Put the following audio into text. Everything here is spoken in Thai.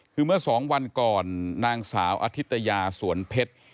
คือเมื่อสองวันก่อนนางสาวอธิตยาสวนเพชร